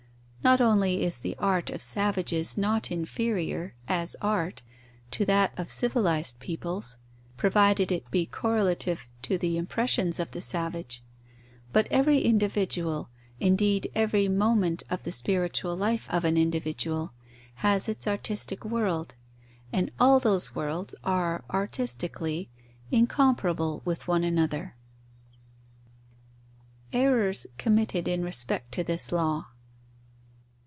Not only is the art of savages not inferior, as art, to that of civilized peoples, provided it be correlative to the impressions of the savage; but every individual, indeed every moment of the spiritual life of an individual, has its artistic world; and all those worlds are, artistically, incomparable with one another. _Errors committed in respect to this law.